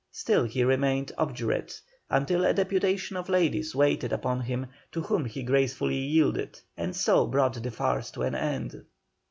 Still he remained obdurate, until a deputation of ladies waited upon him, to whom he gracefully yielded, and so brought the farce to an end.